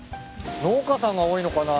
農家さんが多いのかな？